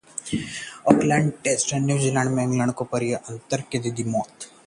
Auckland test: New Zealand ने England को पारी के अंतर से दी मात